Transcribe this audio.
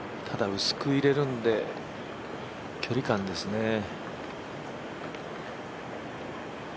ただ、薄く入れるんで距離感ですね。